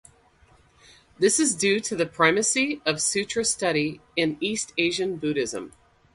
This is due to the primacy of sutra study in East Asian Buddhism.